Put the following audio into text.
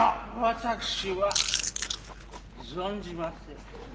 私は存じませぬ。